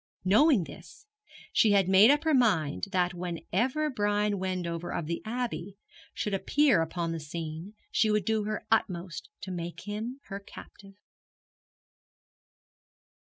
Knowing this, she had made up her mind that whenever Brian Wendover of the Abbey should appear upon the scene, she would do her uttermost to make him her captive.